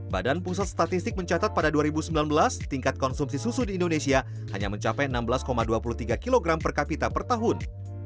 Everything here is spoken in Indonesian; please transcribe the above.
badan pusat statistik mencatat pada dua ribu sembilan belas tingkat konsumsi susu di indonesia hanya mencapai enam belas dua puluh tiga kg per kapita per tahun